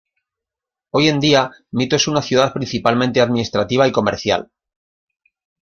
Hoy en día, Mito es una ciudad principalmente administrativa y comercial.